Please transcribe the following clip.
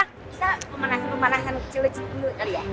bisa pemanasan pemanasan kecil kecil dulu ya